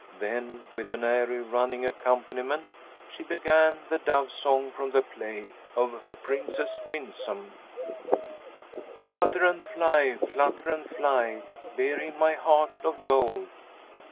Then, with an airy running accompaniment, she began the Dove Song from the play of "The Princess Winsome:" "Flutter and fly, flutter and fly, Bear him my heart of gold."